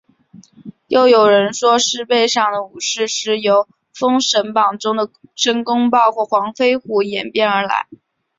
又有人说是狮背上的武士是由封神榜中的申公豹或黄飞虎演变而来。